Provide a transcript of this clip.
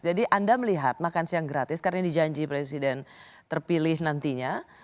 jadi anda melihat makan siang gratis karena ini janji presiden terpilih nantinya